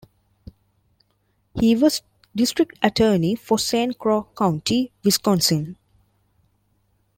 He was district attorney for Saint Croix County, Wisconsin.